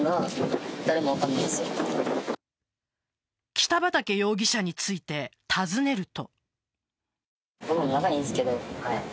北畠容疑者について尋ねると。